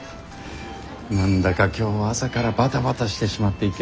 何だか今日は朝からバタバタしてしまっていて。